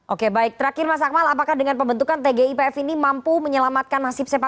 oke baik terakhir mas akmal apakah dengan pembentukan tgipf ini mampu menyelamatkan nasib sepak bola